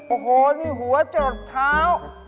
โอ้โฮหัวจรดเท้า